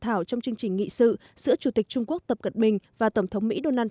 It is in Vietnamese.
thảo trong chương trình nghị sự giữa chủ tịch trung quốc tập cận bình và tổng thống mỹ donald trump